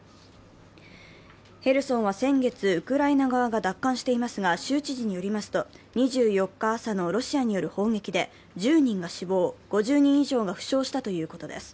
ヘルソンは先月、ウクライナ側が奪還していますが州知事によりますと、２４日朝のロシアによる砲撃で、１０人が死亡、５０人以上が負傷したということです。